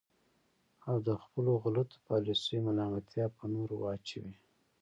او د خپلو غلطو پالیسیو ملامتیا په نورو واچوي.